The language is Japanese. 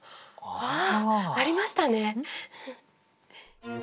ああありましたね。